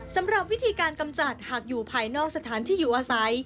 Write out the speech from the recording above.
สำหรับวิธีการกำจัดหากอยู่ภายนอกสถานที่อยู่อาศัย